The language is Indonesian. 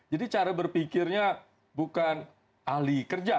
jadi cara berpikirnya bukan alih kerja